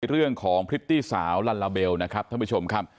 เรื่องของพริตตี้สาวลัลลาเบลนะครับท่านผู้ชมครับ